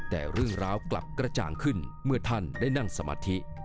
แต่เรื่องราวกลับกระจ่างขึ้นเมื่อท่านได้นั่งสมาธิ